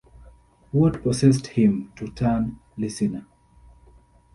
What possessed him to turn listener?